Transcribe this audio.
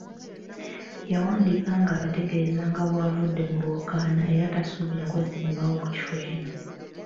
Yawandiika ng'abategeeza nga bw'avudde mu lwokaano era tasuubira kwesimbawo ku kifo kyonna.